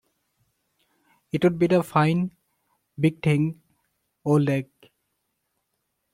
It would be the fine, big thing, old egg.